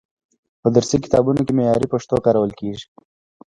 په درسي کتابونو کې معیاري پښتو کارول کیږي.